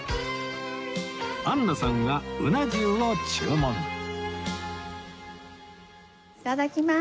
アンナさんがうな重を注文いただきます。